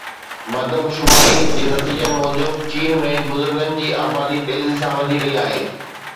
مردم شماري جي نتيجن موجب چين ۾ بزرگن جي آبادي تيزي سان وڌي رهي آهي